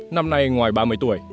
năm nay ngoài ba mươi tuổi